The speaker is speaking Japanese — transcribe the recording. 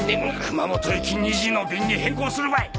熊本行き２時の便に変更するばい！